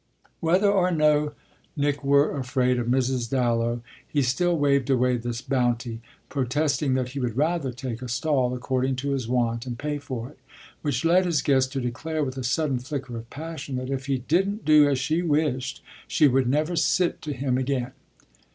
Whether or no Nick were afraid of Mrs. Dallow he still waved away this bounty, protesting that he would rather take a stall according to his wont and pay for it. Which led his guest to declare with a sudden flicker of passion that if he didn't do as she wished she would never sit to him again.